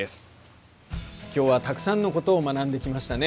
今日はたくさんのことを学んできましたね。